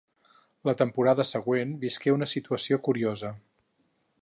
La temporada següent visqué una situació curiosa.